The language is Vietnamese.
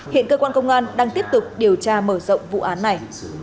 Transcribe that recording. hiện cơ quan công an đang tiếp tục điều tra mở rộng vụ án này